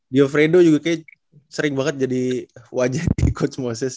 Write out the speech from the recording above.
di ofredo juga kayaknya sering banget jadi wajah di coach moses